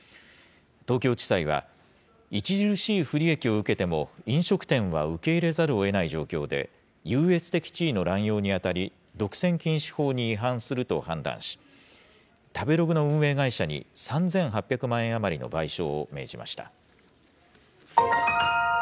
東京地裁は、著しい不利益を受けても飲食店は受け入れざるをえない状況で、優越的地位の乱用に当たり独占禁止法に違反すると判断し、食べログの運営会社に３８００万円余りの賠償を命じました。